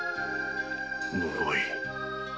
むごい。